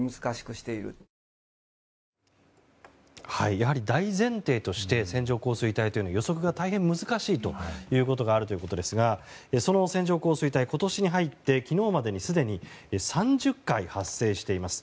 やはり大前提として線状降水帯というのは予測が大変難しいということがあるということですがその線状降水帯、今年に入って昨日までにすでに３０回発生しています。